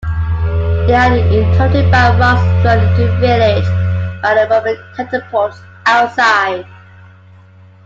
They are interrupted by rocks thrown into the village by the Roman catapults outside.